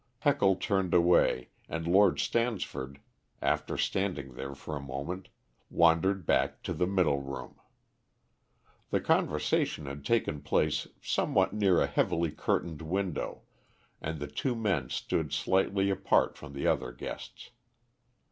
Heckle turned away, and Lord Stansford, after standing there for a moment, wandered back to the middle room. The conversation had taken place somewhat near a heavily curtained window, and the two men stood slightly apart from the other guests.